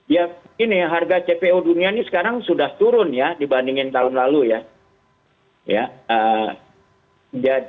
ya gini harga cpo dunia ini sekarang sudah turun ya dibandingin tahun lalu ya